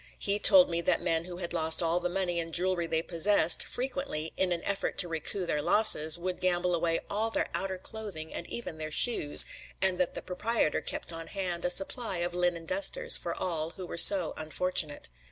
He told me that men who had lost all the money and jewelry they possessed, frequently, in an effort to recoup their losses, would gamble away all their outer clothing and even their shoes; and that the proprietor kept on hand a supply of linen dusters for all who were so unfortunate.